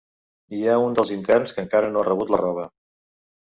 Hi ha un dels interns que encara no ha rebut la roba.